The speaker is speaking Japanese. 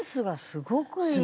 すごくいいの。